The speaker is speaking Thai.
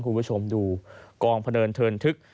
คุณผู้ชมดูกองพะเนินเทินทึก